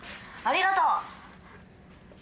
ありがとう！